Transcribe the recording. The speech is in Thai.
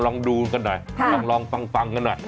ลองดูกันหน่อยลองฟังกันหน่อย